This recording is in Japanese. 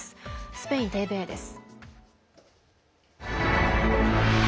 スペインＴＶＥです。